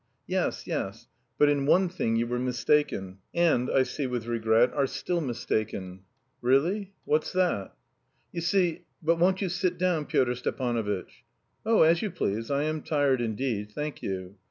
"Yes, yes... but in one thing you were mistaken, and, I see with regret, are still mistaken." "Really, what's that?" "You see.... But won't you sit down, Pyotr Stepanovitch?" "Oh, as you please. I am tired indeed. Thank you."